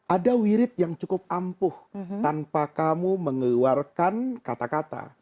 ada wirid yang cukup ampuh tanpa kamu mengeluarkan kata kata